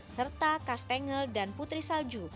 serta kastengel dan putri salju